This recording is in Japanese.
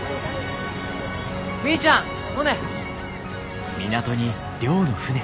みーちゃんモネ！